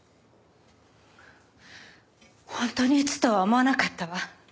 本当に撃つとは思わなかったわ。